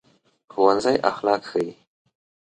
ښوونځی اخلاق ښيي